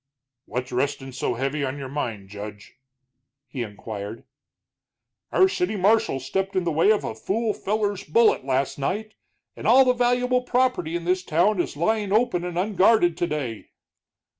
"What's restin' so heavy on your mind, Judge?" he inquired. "Our city marshal stepped in the way of a fool feller's bullet last night, and all the valuable property in this town is lying open and unguarded today."